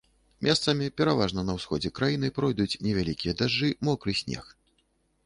Месцамі, пераважна на ўсходзе краіны, пройдуць невялікія дажджы, мокры снег.